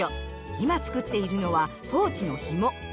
今作っているのはポーチのひも。